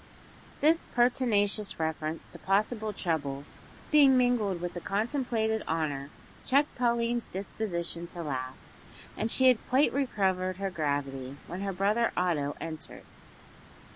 This pertinacious reference to possible trouble being mingled with the contemplated honour checked Pauline's disposition to laugh, and she had quite recovered her gravity when her brother Otto entered.